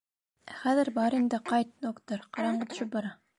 Ә хәҙер бар инде, ҡайт, доктор, ҡараңғы төшөп бара.